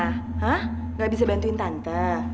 hah gak bisa bantuin tante